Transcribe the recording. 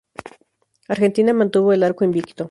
Argentina mantuvo el arco invicto.